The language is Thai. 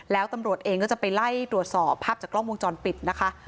แล้วตำรวจเองก็จะไปไล่ตรวจสอบภาพจากกล้องวงจรปิดนะคะ